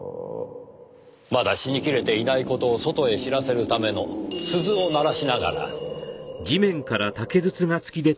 まだ死に切れていない事を外へ知らせるための鈴を鳴らしながら。